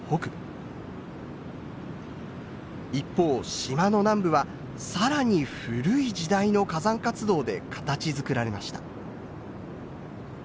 一方島の南部は更に古い時代の火山活動で形づくられました。